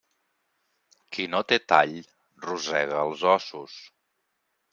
Qui no té tall, rosega els ossos.